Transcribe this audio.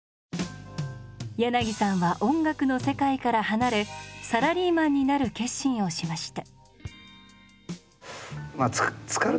柳さんは音楽の世界から離れサラリーマンになる決心をしました。